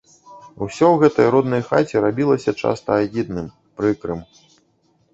Усё ў гэтай роднай хаце рабілася часта агідным, прыкрым.